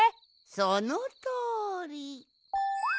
そのとおり。